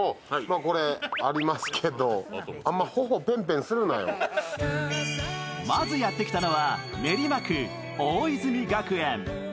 これ、ありますけどまずやってきたのは、練馬区大泉学園。